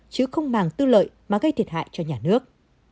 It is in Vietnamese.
chứ không màng tư lợi mà gây thiệt hại cho nhà nước